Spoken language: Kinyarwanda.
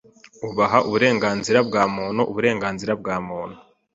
ubaha uburenganzira bwa muntu Uburenganzira bwa muntu